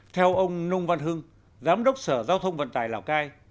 theo ông nông văn hưng giám đốc sở giao thông vận tải lào cai